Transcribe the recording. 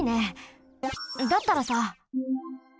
だったらさ。